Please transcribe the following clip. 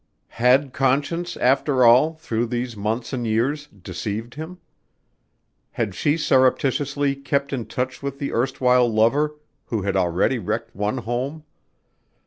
Had Conscience, after all, through these months and years, deceived him? Had she surreptitiously kept in touch with the erstwhile lover who had already wrecked one home?